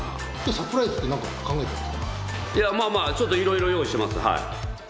サプライズってちょっとなんまあまあまあ、ちょっといろいろ用意してます。